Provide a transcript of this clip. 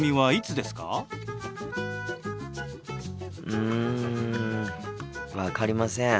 うん分かりません。